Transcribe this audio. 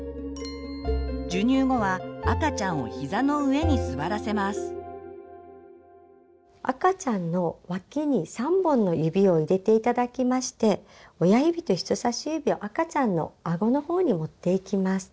授乳後は赤ちゃんの脇に３本の指を入れて頂きまして親指と人さし指を赤ちゃんのあごの方に持っていきます。